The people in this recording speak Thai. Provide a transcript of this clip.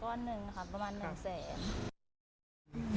หนึ่งค่ะประมาณหนึ่งแสน